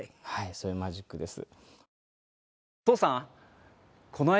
そういうマジックです。